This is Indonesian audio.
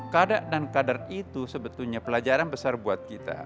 kadar dan kadar itu sebetulnya pelajaran besar buat kita